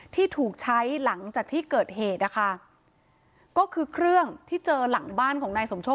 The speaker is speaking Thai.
ที่ถูกใช้หลังจากที่เกิดเหตุนะคะก็คือเครื่องที่เจอหลังบ้านของนายสมโชค